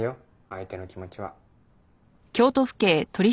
相手の気持ちは。